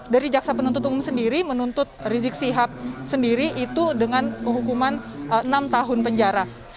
dari jaksa penuntut umum sendiri menuntut rizik sihab sendiri itu dengan hukuman enam tahun penjara